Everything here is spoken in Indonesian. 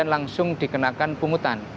dan langsung dikenakan pungutan